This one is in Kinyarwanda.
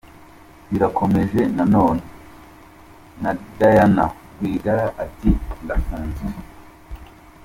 Birakomeje none na Diane Rwigara ati ndafunze!